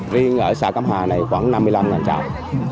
riêng ở xã cẩm hà này khoảng năm mươi năm trọ